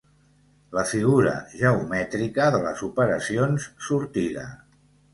La figura geomètrica de les operacions sortida.